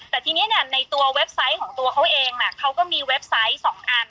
แต่ทีนี้ในตัวเว็บไซต์ของตัวเขาเองเขาก็มีเว็บไซต์๒อัน